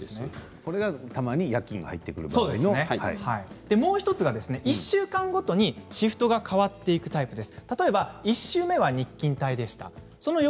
これが、たまに夜勤がもう１つは１週間ごとにシフトが変わっていくタイプです。